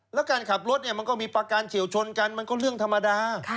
แล้วการขับรถเนี่ยมันก็มีประการเฉียวชนกันมันก็เรื่องธรรมดา